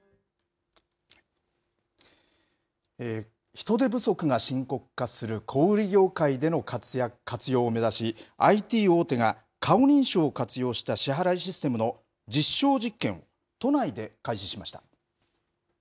人手不足が深刻化する小売り業界での活用を目指し、ＩＴ大手が顔認証を活用した支払いシステムの実証実験を都内で開始しました。